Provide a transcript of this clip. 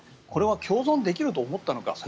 これは共存できると思ったのか。